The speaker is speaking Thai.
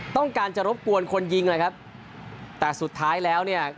ต้องการจะรบกวนคนยิงเลยครับแต่สุดท้ายแล้วเนี่ย